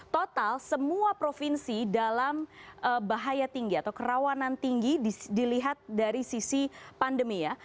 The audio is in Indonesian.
total semua provinsi dalam bahaya tinggi atau kerawanan tinggi dilihat dari sisi pandemi ya